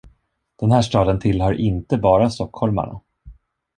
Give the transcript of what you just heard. Den här staden tillhör inte bara stockholmarna.